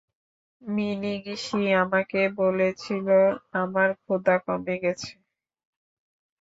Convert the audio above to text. মিনিগিশি আমাকে বলেছিল আমার ক্ষুধা কমে গেছে।